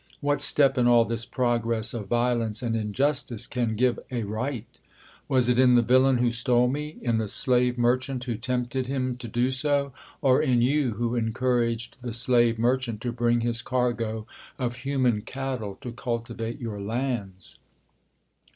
What step in all this progress of violence and injustice can give a right F Was it in the villain who stole me, in the slave merchant who tempted him to do so, or in you who encouraged the slave merchant to bring his cargo of human cattle to cultivate your lands